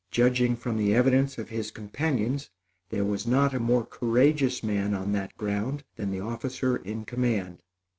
Judging from the evidence of his companions, there was not a more courageous man on that ground than the officer in command.